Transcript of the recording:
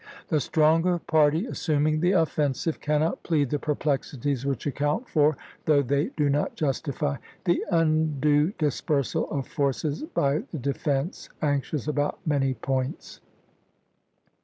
The stronger party, assuming the offensive, cannot plead the perplexities which account for, though they do not justify, the undue dispersal of forces by the defence anxious about many points.